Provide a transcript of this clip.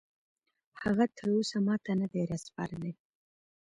هغه تراوسه ماته نه دي راسپارلي.